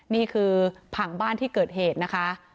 นี่คือผังบ้านที่เกิดเหตุนะคะ